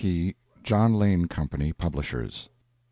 P. John Lane Company, publishers.